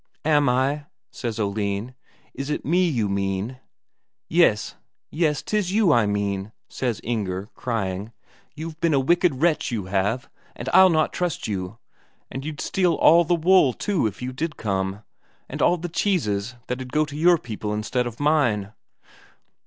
"Am I?" says Oline. "Is it me you mean?" "Yes, 'tis you I mean," says Inger, crying; "you've been a wicked wretch, you have, and I'll not trust you. And you'd steal all the wool, too, if you did come. And all the cheeses that'd go to your people instead of mine...."